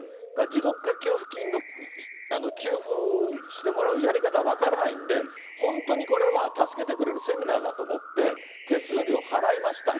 持続化給付金を給付してもらうやり方が分からないんで、本当にこれは助けてくれるセミナーだと思って、手数料払いました。